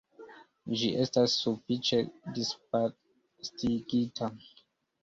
Ĝi estas sufiĉe disvastigita.